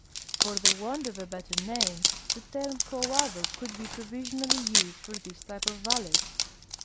For the Avant of a better name, the term quohado could be provisional!}'' used for this type of valley.